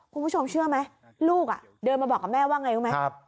คุณผู้ชมเชื่อไหมลูกเดินมาบอกกับแม่ว่าไงรู้ไหม